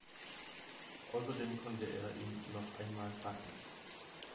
Außerdem konnte er ihn noch einmal sacken.